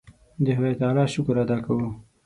د خدای تعالی شکر ادا کوو.